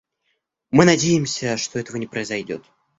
Мы надеемся, что этого не произойдет.